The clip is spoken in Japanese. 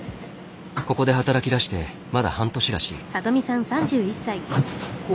ここで働きだしてまだ半年らしい。